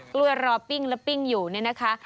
กล้วยรอปิ้งและปิ้งอยู่เนี่ยนะคะ